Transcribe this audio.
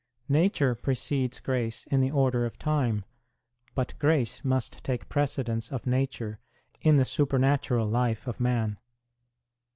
Nature precedes grace in the order of time, but grace must take precedence of nature in the supernatural life of man.